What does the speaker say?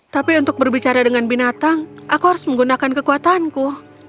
tapi untuk berbicara dengan binatang aku harus menggunakan kekuatanku